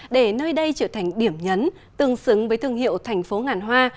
để nơi đây trở thành điểm nhấn tương xứng với thương hiệu thành phố ngàn hoa